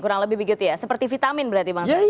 kurang lebih begitu ya seperti vitamin berarti bang said